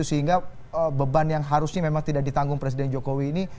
sehingga beban yang harusnya memang tidak ditanggung presiden jokowi ini